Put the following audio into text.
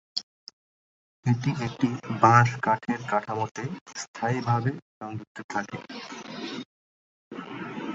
এটি একটি বাঁশ-কাঠের কাঠামোতে স্থায়ীভাবে সংযুক্ত থাকে।